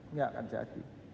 nggak akan jadi